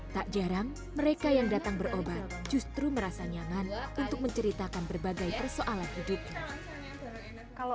tak jarang mereka yang datang berobat justru merasa nyaman untuk menceritakan berbagai persoalan hidupnya